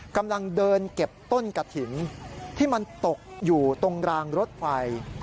กำลังเดินเก็บต้นกระถิ่นที่มันตกอยู่ตรงรางรถไฟ